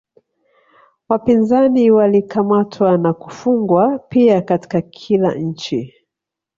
Wapinzani walikamatwa na kufungwa pia Katika kila nchi